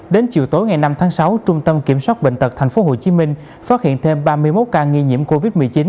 đến chiều tối ngày năm tháng sáu trung tâm kiểm soát bệnh tật tp hcm phát hiện thêm ba mươi một ca nghi nhiễm covid một mươi chín